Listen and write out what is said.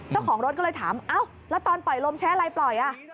เจ้าของรถก็เลยถามแล้วตอนปล่อยลมใช้อะไรปล่อย